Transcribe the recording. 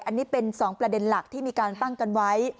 อันนี้เป็น๒ประเด็นหลักที่มีการตั้งกันไว้